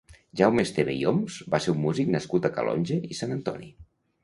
Jaume Esteve i Homs va ser un músic nascut a Calonge i Sant Antoni.